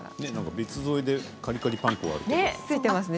別添えでカリカリパン粉がありますね。